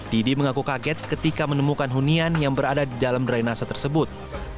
didi mengaku kaget ketika menemukan hunian yang berada di dalam drainase tersebut